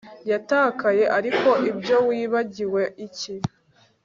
yatakaye ariko ibyo wibagiwe iki